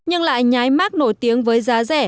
nhưng lại nhái mát nổi tiếng với giá rẻ